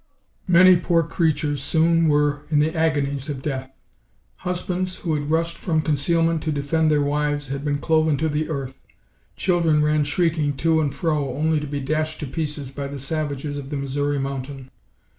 Many poor creatures soon were in the agonies of death. Husbands, who had rushed from concealment to defend their wives, had been cloven to the earth; children ran shrieking to and fro, only to be dashed to pieces by the savages of the Missouri Mountain.